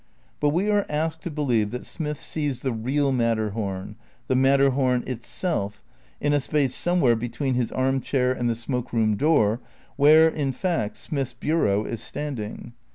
But we are asked to believe that Smith sees the real Matterhom, the Matterhom itself, in a space somewhere between his arm chair and the smoke room door, where, in fact. Smith's bureau is standing.